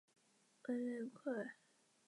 维雷库尔。